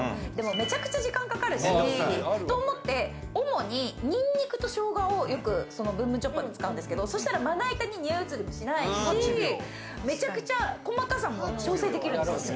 めちゃくちゃ時間かかるしと思って、主にニンニクとショウガをよく、ぶんぶんチョッパーで使うんですけど、まな板に臭いうつりもしないし、めちゃくちゃ細かさも調整できるんですよ。